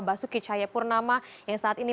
basuki cahaya purnama yang saat ini